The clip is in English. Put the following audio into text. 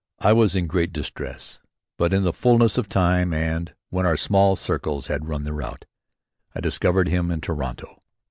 I was in great distress, but in the fullness of time and when our small circles had run their route, I discovered him in Toronto.